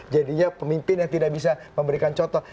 jadinya pemimpin yang tidak bisa memberikan contoh